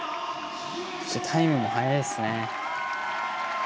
そして、タイムも速いですね。